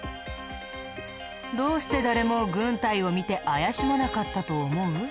どうして誰も軍隊を見て怪しまなかったと思う？